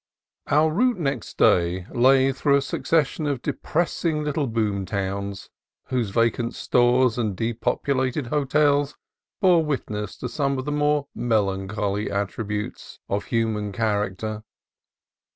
Our route next day lay through a succession of depressing little boom towns, whose vacant stores and depopulated hotels bore witness to some of the more melancholy attributes of human char acter.